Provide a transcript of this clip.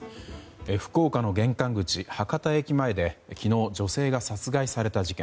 福岡の玄関口、博多駅前で昨日女性が殺害された事件。